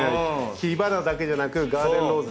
切り花だけじゃなくガーデンローズで。